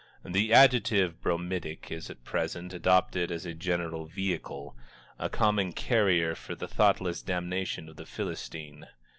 The adjective "bromidic" is at present adopted as a general vehicle, a common carrier for the thoughtless damnation of the Philistine.